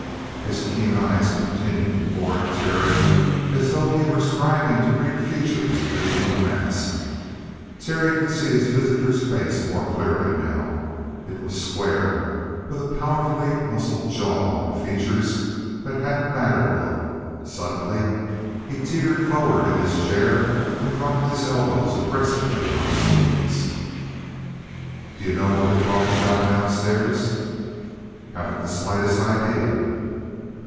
His keen eyes continued to bore at Terry as though he were striving to read features beneath a mask. Terry could see his visitor's face more clearly now. It was square, with a powerfully muscled jaw and features that had a battered look. Suddenly he teetered forward in his chair and dropped his elbows aggressively on his knees. "D'you know what they're talking about downstairs?" "Haven't the slightest idea."